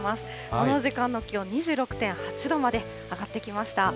この時間の気温、２６．８度まで上がってきました。